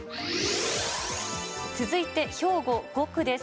続いて兵庫５区です。